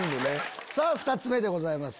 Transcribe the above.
さぁ２つ目でございます。